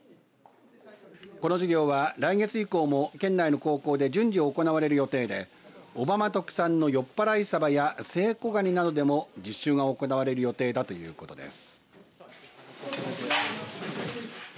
この授業は来月以降も県内の高校で順次行われる予定で小浜特産のよっぱらいサバやセイコガニなどでも実習が行われる予定だということです。